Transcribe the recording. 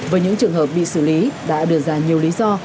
với những trường hợp bị xử lý đã đưa ra nhiều lý do